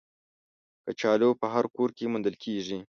کچالو په هر کور کې موندل کېږي